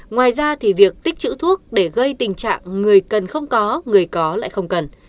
ngoài ra thì việc tích chữ thuốc để gây tình trạng người cần không có người có lại không cần